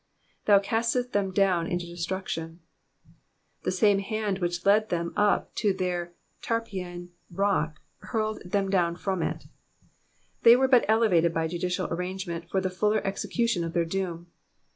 ^^Thou castedst them down into destruction, The same hand which led them up to their Tarpeian rock, hurled them down from it. They were but elevated by judicial arrangement for the fuller execution of their doom.